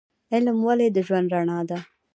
علم ولې د ژوند رڼا ده؟